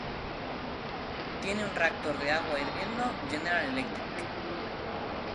Tiene un reactor de agua hirviendo General Electric.